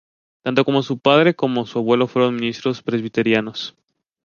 Tanto su padre como su abuelo fueron ministros presbiterianos.